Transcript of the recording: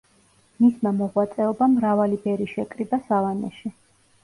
მისმა მოღვაწეობამ მრავალი ბერი შეკრიბა სავანეში.